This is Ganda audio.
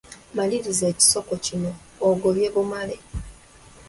Maliriza ekisoko kino: Agobye bumale....